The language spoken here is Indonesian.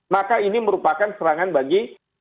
maka ini merupakan serangan bagi